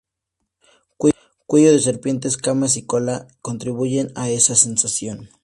Cuello de serpiente, escamas y cola contribuyen a esa sensación.